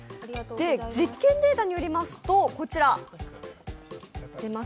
実験データによりますとこちら。